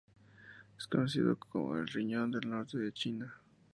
Es conocido como el riñón del norte de China.